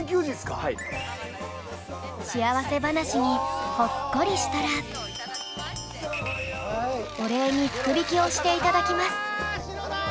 幸せ話にほっこりしたらお礼に福引きをしていただきます。